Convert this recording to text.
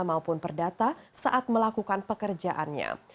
maupun perdata saat melakukan pekerjaannya